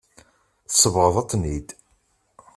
Tsebɣeḍ-ten-id.